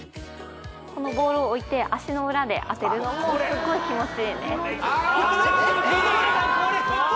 このボールを置いて足の裏で当てるのもすごい気持ちいいんですあっ！